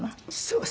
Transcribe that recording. そう。